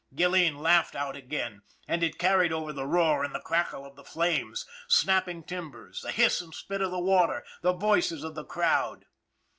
Gilleen laughed out again, and it carried over the roar and the crackle of the flames, the snapping tim bers, the hiss and spit of the water, the voices of the crowd.